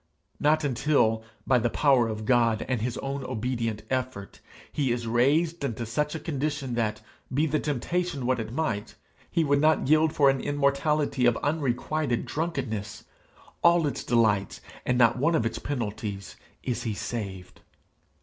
not until, by the power of God and his own obedient effort, he is raised into such a condition that, be the temptation what it might, he would not yield for an immortality of unrequited drunkenness all its delights and not one of its penalties is he saved.